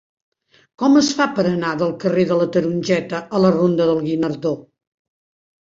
Com es fa per anar del carrer de la Tarongeta a la ronda del Guinardó?